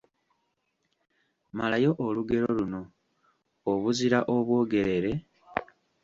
Malayo olugero luno: Obuzira obwogerere…